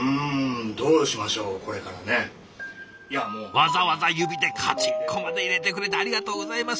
わざわざ指でカチンコまで入れてくれてありがとうございます！